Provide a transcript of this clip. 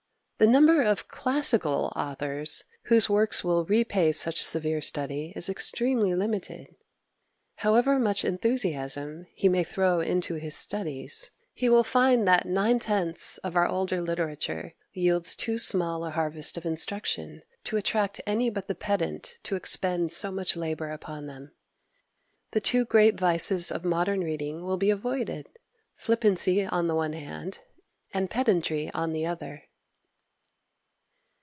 The number of "classical" authors whose works will repay such severe study is extremely limited. However much enthusiasm he may throw into his studies, he will find that nine tenths of our older literature yields too small a harvest of instruction to attract any but the pedant to expend so much labour upon them. The two great vices of modern reading will be avoided flippancy on the one hand, and pedantry on the other.